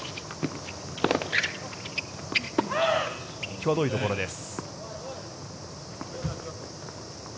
きわどいところです。